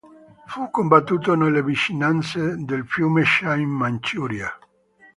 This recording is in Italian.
Fu combattuto nelle vicinanze del fiume Sha in Manciuria.